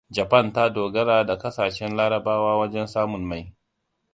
Japan ta dogara da ƙasashen larabawa wajen samun mai.